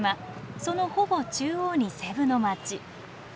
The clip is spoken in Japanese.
そのほぼ中央にセブの街。